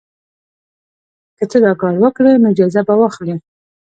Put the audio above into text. که ته دا کار وکړې نو جایزه به واخلې.